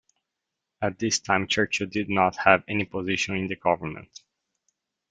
At this time Churchill did not have any position in the government.